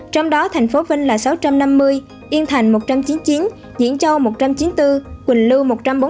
trong đó thành phố vinh là sáu trăm năm mươi yên thành một trăm chín mươi chín diễn châu một trăm chín mươi bốn quỳnh lưu một trăm bốn mươi